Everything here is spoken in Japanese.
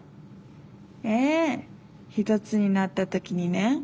ええひとつになったときにね。